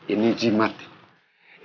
ini jimat batu kecubung